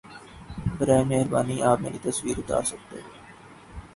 براہ مہربانی آپ میری تصویر اتار سکتے